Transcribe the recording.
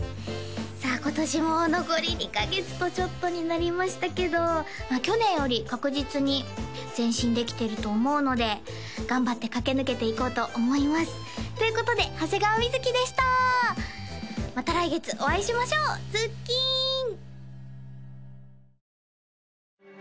さあ今年も残り２カ月とちょっとになりましたけど去年より確実に前進できてると思うので頑張って駆け抜けていこうと思いますということで長谷川瑞でしたまた来月お会いしましょうズッキーン！